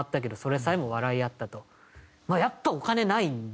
やっぱお金ないんですよ